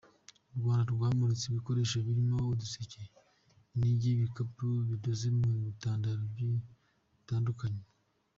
U Rwanda rwamuritse ibikoresho birimo uduseke, inigi, ibikapu bidoze mu bitambaro bitandukanye, ….